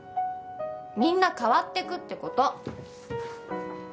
みんな変わってくってこと。